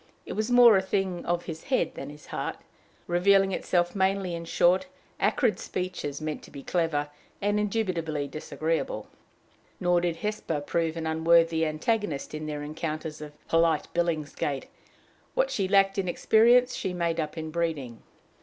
It was more a thing of his head than his heart, revealing itself mainly in short, acrid speeches, meant to be clever, and indubitably disagreeable. Nor did Hesper prove an unworthy antagonist in their encounters of polite Billingsgate: what she lacked in experience she made up in breeding.